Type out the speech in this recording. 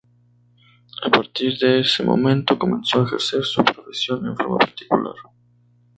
A partir de ese momento comenzó a ejercer su profesión en forma particular.